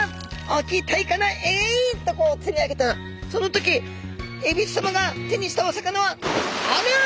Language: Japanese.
大きいタイかな？えい！」っとこう釣り上げたその時えびす様が手にしたお魚は「ありゃ？